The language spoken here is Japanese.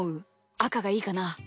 あかがいいかな？